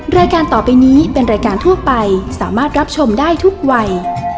รายการต่อไปนี้เป็นรายการทั่วไปสามารถรับชมได้ทุกวัย